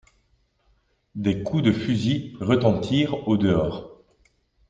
Des coups de fusil retentirent au dehors.